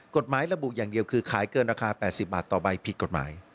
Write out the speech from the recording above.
กฎหมายระบุอย่างเดียวคือขายเกินราคา๘๐บาทต่อใบผิดกฎหมาย